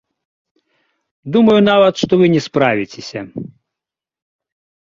Думаю нават, што вы не справіцеся.